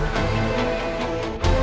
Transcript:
jut liat deh